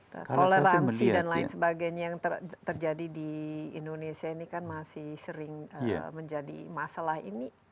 toleransi dan lain sebagainya yang terjadi di indonesia ini kan masih sering menjadi masalah ini